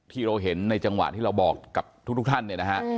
ที่เราเห็นในจังหวะที่เราบอกกับทุกท่านเนี่ยนะฮะ